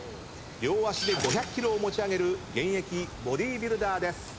両足で５００ｋｇを持ち上げる現役ボディビルダーです。